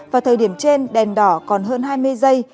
vào thời điểm trên đèn đỏ còn hơn hai mươi giây